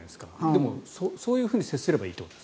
でも、そういうふうに接すればいいと。